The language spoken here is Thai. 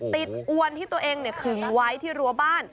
ตีดอ้วนที่ตัวเองเนี่ยขึงไว้ที่รัวบ้าน